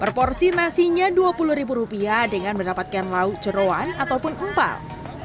berporsi nasinya rp dua puluh dengan mendapatkan lauk jerawan ataupun empal